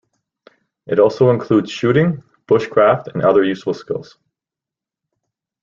It also includes shooting, bushcraft and other useful skills.